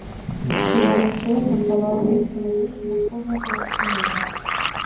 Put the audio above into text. Чырвоным шоўкам палала нізка над лесам усходняя палоска неба.